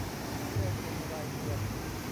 แยกเป็นรายเดือน